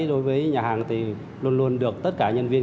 đối với nhà hàng thì luôn luôn được tất cả nhân viên